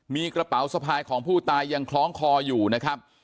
มีกระเป๋าสะพายของผู้ตายยังคล้องคออยู่นะครับ